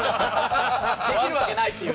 できるわけないっていう。